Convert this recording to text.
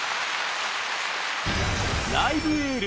「ライブ・エール」